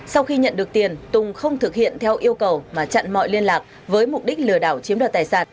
sau khi nhận được tiền tùng không thực hiện theo yêu cầu mà chặn mọi liên lạc với mục đích lừa đảo chiếm đoạt tài sản